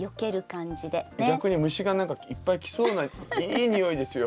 逆に虫が何かいっぱい来そうないい匂いですよ